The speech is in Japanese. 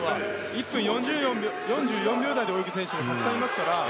１分４４秒台で泳ぐ選手がたくさんいるので。